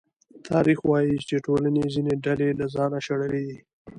تاریخ وايي چې ټولنې ځینې ډلې له ځانه شړلې دي.